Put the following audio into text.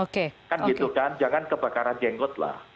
kan gitu kan jangan kebakaran jenggot lah